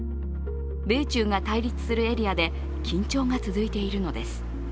米中が対立するエリアで緊張が続いているのです。